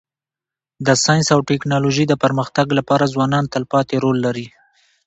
د ساینس او ټکنالوژی د پرمختګ لپاره ځوانان تلپاتي رول لري.